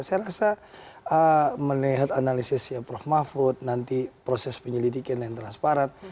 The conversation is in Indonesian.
saya rasa melihat analisisnya prof mahfud nanti proses penyelidikan yang transparan